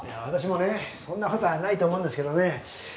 私もねそんな事はないと思うんですけどね